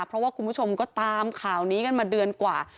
เพราะว่าคุณผู้ชมก็ตามข่าวนี้กันมาเดือนกว่า